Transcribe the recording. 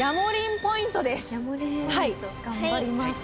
頑張ります。